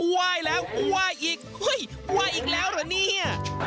อ้ะว่ายแล้วว่ายอีกว่ายอีกแล้วเหรอนี่